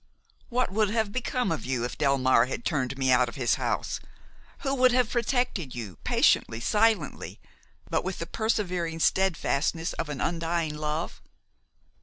What would have become of you if Delmare had turned me out of his house? who would have protected you, patiently, silently, but with the persevering steadfastness of an undying love?